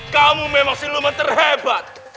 kamu memang siluman terhebat